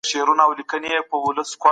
هغه په پوره صداقت خبري وکړي.